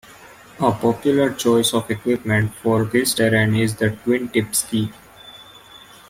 A popular choice of equipment for this terrain is the twin-tip ski.